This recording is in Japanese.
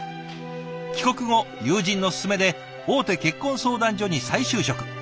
帰国後友人の勧めで大手結婚相談所に再就職。